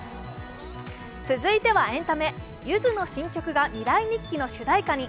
続いてはエンタメゆずの新曲が「未来日記」の主題歌に。